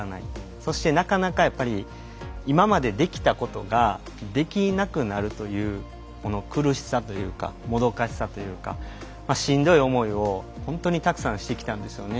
そして、なかなか今までできたことができなくなるというこの苦しさというかもどかしさというかしんどい思いを本当に、たくさんしてきたんですよね。